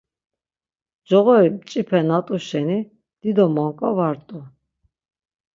Coğori mçipe na t̆u şeni dido monǩa var t̆u.